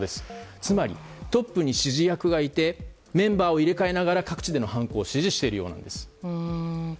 つまりトップに指示役がいてメンバーを入れ替えながら各地での犯行を指示しているようなんです。